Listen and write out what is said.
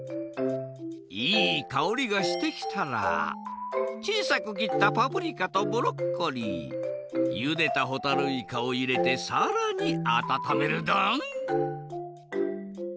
いいかおりがしてきたらちいさく切ったパプリカとブロッコリーゆでたほたるいかをいれてさらにあたためるドン。